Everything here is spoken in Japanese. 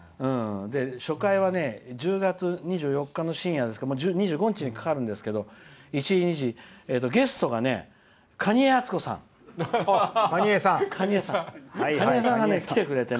初回は１０月２４日の深夜ですから２５日にかかるんですけど１時、２時、ゲストが蟹江篤子さんが来てくれて。